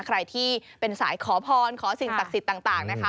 ใครที่เป็นสายขอพรขอสิ่งศักดิ์สิทธิ์ต่างนะคะ